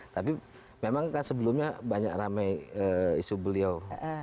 tapi memang kan sebelumnya banyak ramai isu beliau